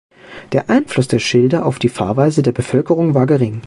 Der Einfluss der Schilder auf die Fahrweise der Bevölkerung war gering.